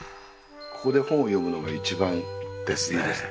ここで本を読むのが一番いいです。ですね。